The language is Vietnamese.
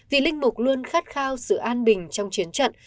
vì linh mục luôn khát khao sự an bình trong chiến trận